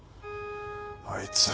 あいつ。